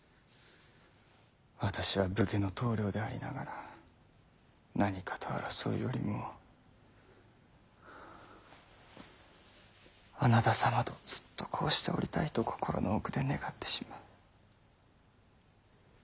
私は武家の棟梁でありながら何かと争うよりもあなた様とずっとこうしておりたいと心の奥で願ってしまう。